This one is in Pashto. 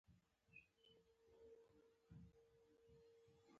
مخامخ د کعبې شریفې تر څنګ.